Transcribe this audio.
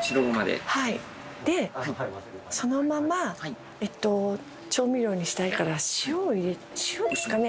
白ごまで。でそのまま調味料にしたいから塩を入れ塩ですかね？